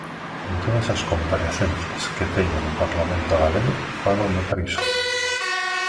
En todas as comparecencias que teño no Parlamento galego fago notar iso.